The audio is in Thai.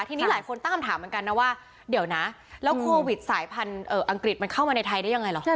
ทีนี้หลายคนตั้งคำถามเหมือนกันนะว่าเดี๋ยวนะแล้วโควิดสายพันธุ์อังกฤษมันเข้ามาในไทยได้ยังไงหรอ